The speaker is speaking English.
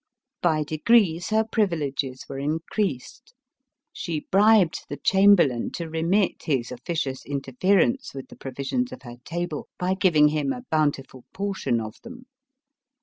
By degrees her privileges were increased. She bribed the chamberlain to remit his officious inter ference with the provisions of her table, by giving him a bountiful portion of them.